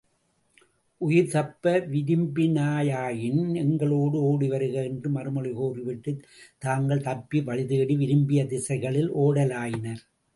உயிர்தப்ப விரும்பினாயாயின் எங்களோடு ஓடிவருக என்று மறுமொழி கூறிவிட்டுத் தாங்கள் தப்ப வழிதேடி, விரும்பிய திசைகளில் ஒடலாயினர்.